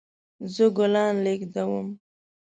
زه ګلان لیږدوم